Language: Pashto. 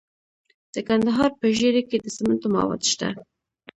د کندهار په ژیړۍ کې د سمنټو مواد شته.